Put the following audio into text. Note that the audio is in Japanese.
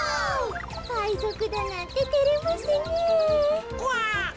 かいぞくだなんててれますねえ。